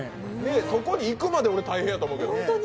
そこに行くまで、俺、大変やと思うけど。